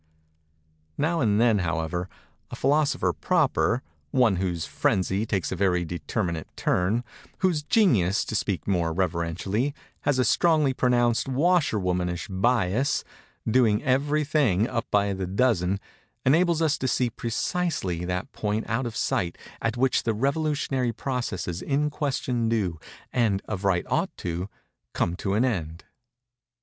Now and then, however, a philosopher proper—one whose phrenzy takes a very determinate turn—whose genius, to speak more reverentially, has a strongly pronounced washerwomanish bias, doing every thing up by the dozen—enables us to see precisely that point out of sight, at which the revolutionary processes in question do, and of right ought to, come to an end.